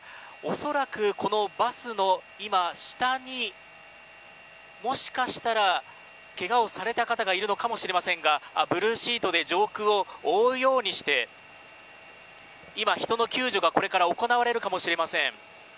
恐らく、このバスの下にもしかしたら、けがをされた方がいるのかもしれませんがブルーシートで上空を覆うようにして人の救助が、これから行われるかもしれません。